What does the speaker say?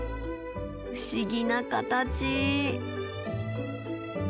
不思議な形。